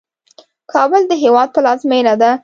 کابل د هیواد پلازمینه ده